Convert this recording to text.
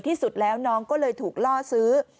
ที่สุดแล้วน้องก็เลยถูกล่อซื้อ